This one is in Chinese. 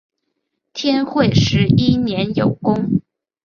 天会十一年有功。